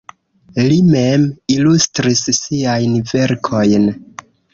Li mem ilustris siajn verkojn.